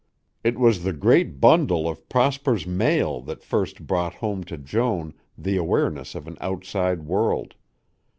It was the great bundle of Prosper's mail that first brought home to Joan the awareness of an outside world.